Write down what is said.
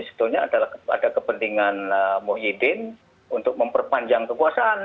sebetulnya adalah kepada kepentingan muhyiddin untuk memperpanjang kekuasaan